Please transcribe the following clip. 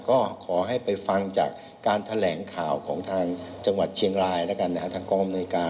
ก็ขอให้ไปฟังจากการแถลงข่าวของทางจังหวัดเชียงรายแล้วกันนะฮะทางกองอำนวยการ